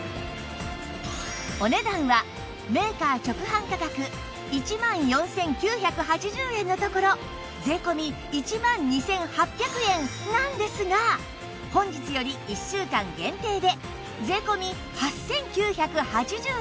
お値段はメーカー直販価格１万４９８０円のところ税込１万２８００円なんですが本日より１週間限定で税込８９８０円